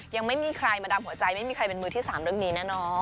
ยังไม่มีใครมาดามหัวใจไม่มีใครเป็นมือที่๓เรื่องนี้แน่นอน